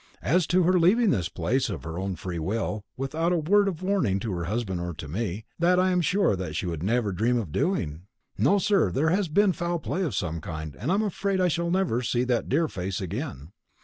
As to her leaving this place of her own free will, without a word of warning to her husband or to me, that I am sure she would never dream of doing. No, sir, there has been foul play of some kind, and I'm afraid I shall never see that dear face again."